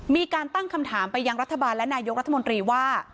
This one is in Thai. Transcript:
มีการตั้งคำถามไปยังรัฐบาลและนายกรัฐมนตรีว่า